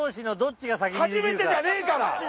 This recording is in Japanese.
めてじゃねえから！